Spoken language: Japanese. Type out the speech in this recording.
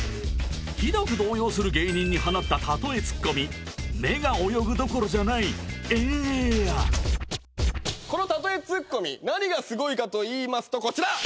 ひどく動揺する芸人に放ったたとえツッコミこのたとえツッコミ何がすごいかと言いますとこちら！